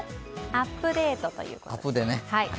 アップデートということ。